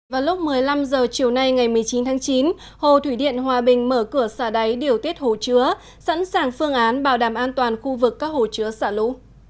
vào lúc một mươi năm h chiều nay ngày một mươi chín tháng chín hồ thủy điện hòa bình mở cửa xả đáy điều tiết hồ chứa sẵn sàng phương án bảo đảm an toàn khu vực các hồ chứa xả lũ